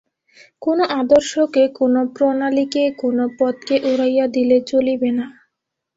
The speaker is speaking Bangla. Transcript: কোন আদর্শকে, কোন প্রণালীকে, কোন পথকে উড়াইয়া দিলে চলিবে না।